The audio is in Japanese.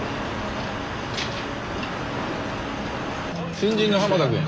新人の浜田君。